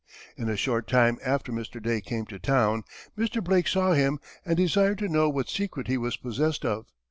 In a short time after Mr. Day came to town; Mr. Blake saw him and desired to know what secret he was possessed of.